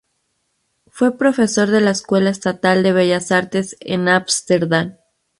Fue profesor de la Escuela estatal de Bellas Artes de Ámsterdam.